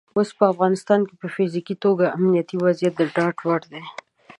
اوس په افغانستان کې په فزیکي توګه امنیتي وضعیت د ډاډ وړ دی.